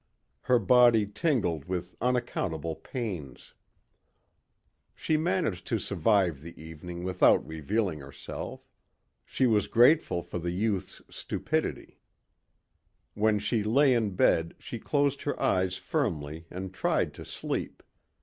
Her body tingled with unaccountable pains. She managed to survive the evening without revealing herself. She was grateful for the youth's stupidity. When she lay in bed she closed her eyes firmly and tried to sleep.